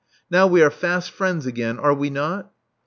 Now we are fast friends again, are we not?"